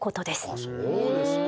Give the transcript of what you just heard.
あっそうですか。